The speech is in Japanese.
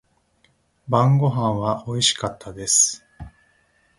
晩御飯は美味しかったです。